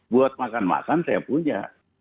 buat makan makan saya punya